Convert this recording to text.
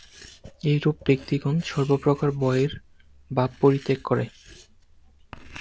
এইরূপ ব্যক্তিগণ সর্বপ্রকার ভয়ের ভাব পরিত্যাগ করেন।